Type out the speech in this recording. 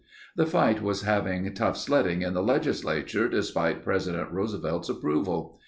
The fight was having tough sledding in the legislature despite President Roosevelt's approval.